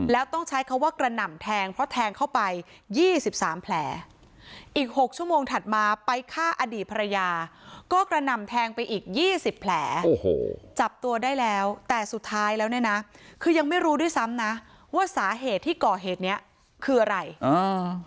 แล้วต้องใช้คำว่ากระหน่ำแทงเพราะแทงเข้าไปยี่สิบสามแผลอีกหกชั่วโมงถัดมาไปฆ่าอดีตภรรยาก็กระหน่ำแทงไปอีกยี่สิบแผลโอ้โหจับตัวได้แล้วแต่สุดท้ายแล้วเนี่ยนะคือยังไม่รู้ด้วยซ้ำนะว่าสาเหตุที่ก่อเหตุเนี้ยคืออะไรอ่า